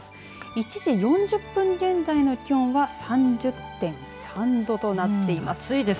１時４０分現在の気温は３０．３度となっています。